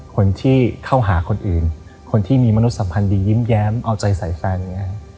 คนที่เข้าหาคนอื่นคนที่มีมนุษยสัมพันธ์ดียิ้มแย้มเอาใจใส่แฟน